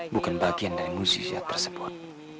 bukan bagian dari musisiat tersebut